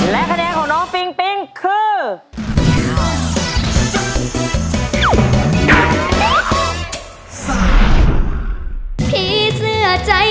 และคะแนนของน้องปิงปิ๊งคือ